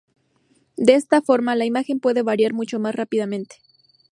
De esta forma, la imagen puede variar mucho más rápidamente.